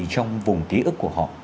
trong vùng ký ức của họ